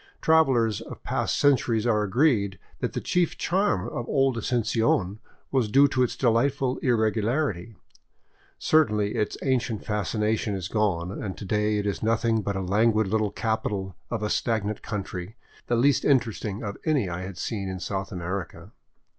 Travelers of past centuries are agreed that the chief charm of old Asuncion was due to its delightful irregularity. Certainly its ancient fascination is gone, and to day it is nothing but a languid little capital of a stagnant country, the least interesting of any I had seen in South America.